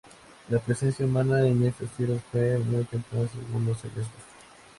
La presencia humana en estas tierras fue muy temprana, según los hallazgos.